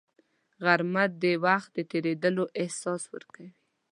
غرمه د وخت د درېدلو احساس ورکوي